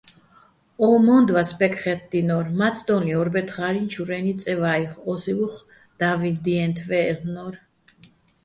ო მო́ნდვას ბეკხე́თდინო́რ, მაცდო́ლიჼ ო́რბეთღარიჼ ჩურენი წე ვაიხ, ო́სი უ̂ხ და́ვიდიენთვაჲ-აჲლ'ნო́რ.